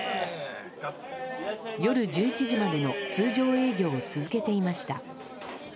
夜１１時までの通常営業を続けていました。